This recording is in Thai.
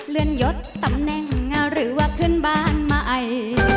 เลือนหยดตำแหน่งหรือว่าเพื่อนบ้านมะไอ